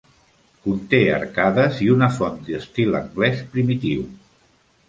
Conté arcades i una font d'estil anglès primitiu.